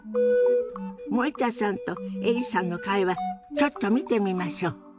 森田さんとエリさんの会話ちょっと見てみましょ。